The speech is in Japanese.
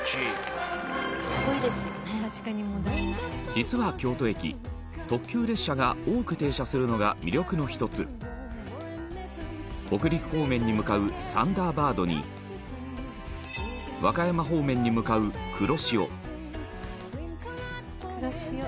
実は、京都駅、特急列車が多く停車するのが魅力の１つ北陸方面に向かうサンダーバードに和歌山方面に向かう、くろしお羽田：くろしお。